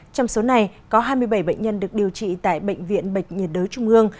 trong số này có hai mươi bảy bệnh nhân được điều trị tại bệnh viện bệnh nhiệt đới trung ương